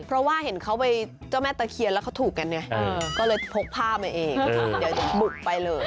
เพราะว่าเห็นเจ้าแม่เตอรี่เขียนแล้วเขาถูกกันค่ะก็เลยพกพ่ามั้ยเอง